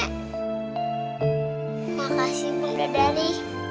terima kasih bunda dari